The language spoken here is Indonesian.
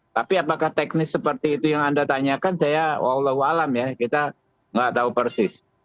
tapi apakah teknis seperti itu yang anda tanyakan saya walau alam ya kita nggak tahu persis